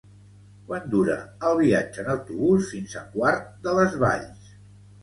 Quant dura el viatge en autobús fins a Quart de les Valls?